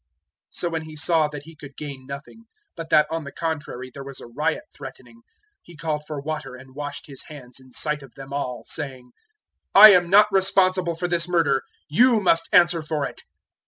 027:024 So when he saw that he could gain nothing, but that on the contrary there was a riot threatening, he called for water and washed his hands in sight of them all, saying, "I am not responsible for this murder: you must answer for it."